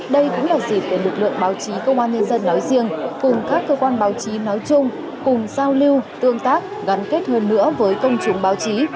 đây cũng là dịp để lực lượng báo chí công an nhân dân nói riêng cùng các cơ quan báo chí nói chung cùng giao lưu tương tác gắn kết hơn nữa với công chúng báo chí